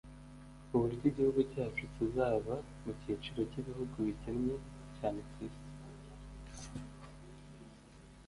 ku buryo igihugu cyacu kizava mu cyiciro cy'ibihugu bikennye cyane ku isi